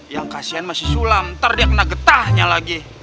yang kasihan masih sulam ntar dia kena getahnya lagi